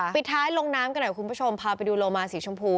ปิดท้ายลงน้ำกันหน่อยคุณผู้ชมพาไปดูโลมาสีชมพู